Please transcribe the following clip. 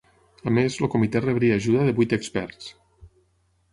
A més, el Comitè rebria ajuda de vuit experts.